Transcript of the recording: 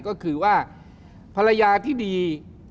ก็คือว่าภรรยาที่ดี